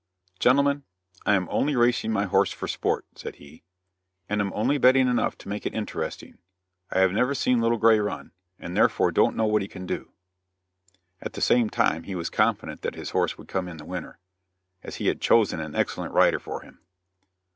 "Gentlemen, I am only racing my horse for sport," said he, "and am only betting enough to make it interesting. I have never seen Little Gray run, and therefore don't know what he can do;" at the same time he was confident that his horse would come in the winner, as he had chosen an excellent rider for him.